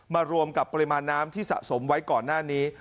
รวมกับปริมาณน้ำที่สะสมไว้ก่อนหน้านี้